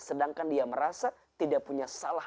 sedangkan dia merasa tidak punya salah